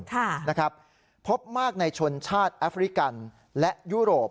ค่ะนะครับพบมากในชนชาติแอฟริกันและยุโรป